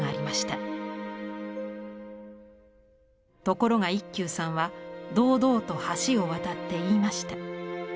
ところが一休さんは堂々と橋を渡って言いました。